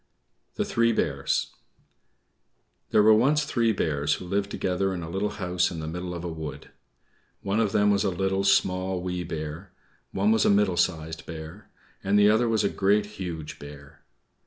THE THREE BEARS There were once three bears who lived together in a little house in the middle of a wood. One of them was a Little, Small, Wee Bear; one was a Middle Sized Bear; and the other was a Great, Huge Bear.